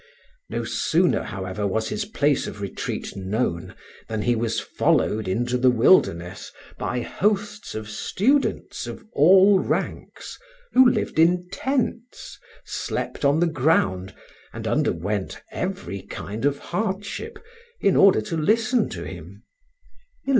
No sooner, however, was his place of retreat known than he was followed into the wilderness by hosts of students of all ranks, who lived in tents, slept on the ground, and underwent every kind of hardship, in order to listen to him (1123).